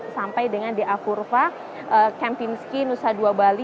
sampai dengan di afurva kempinski nusa dua bali